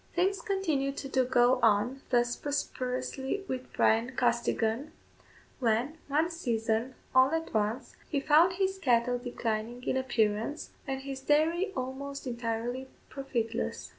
Things continued to go on thus prosperously with Bryan Costigan, when, one season, all at once, he found his cattle declining in appearance, and his dairy almost entirely profitless.